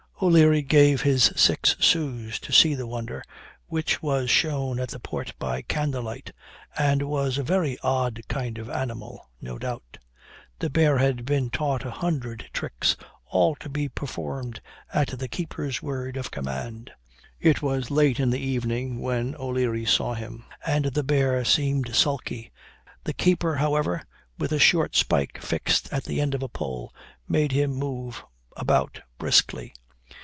"O'Leary gave his six sous to see the wonder which was shown at the port by candle light, and was a very odd kind of animal, no doubt. The bear had been taught a hundred tricks, all to be performed at the keeper's word of command. It was late in the evening when O'Leary saw him, and the bear seemed sulky; the keeper, however, with a short spike fixed at the end of a pole, made him move about briskly.